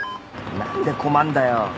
何で困んだよ。